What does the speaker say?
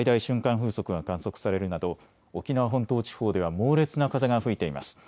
風速が観測されるなど沖縄本島地方では猛烈な風が吹いています。